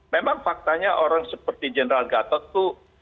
memang faktanya orang seperti general gadot itu